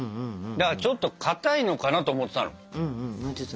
だからちょっとかたいのかなと思ってたの。